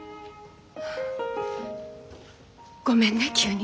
ごめんね急に。